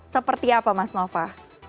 seperti apa mas nova